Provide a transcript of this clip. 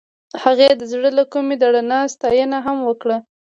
هغې د زړه له کومې د رڼا ستاینه هم وکړه.